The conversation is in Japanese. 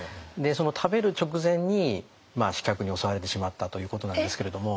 その食べる直前に刺客に襲われてしまったということなんですけれども。